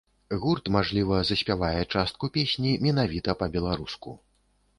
Гурт, мажліва, заспявае частку песні менавіта па-беларуску.